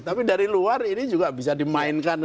tapi dari luar ini juga bisa dimainkan